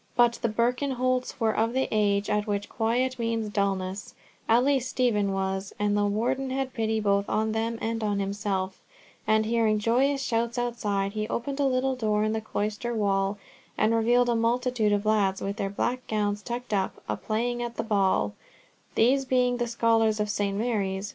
But the Birkenholts were of the age at which quiet means dulness, at least Stephen was, and the Warden had pity both on them and on himself; and hearing joyous shouts outside, he opened a little door in the cloister wall, and revealed a multitude of lads with their black gowns tucked up "a playing at the ball"—these being the scholars of St. Mary's.